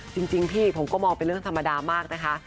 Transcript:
จริงพี่ผมก็มองเป็นเรื่องธรรมดามากนะคะ